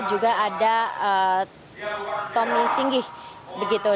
juga ada tommy singgih begitu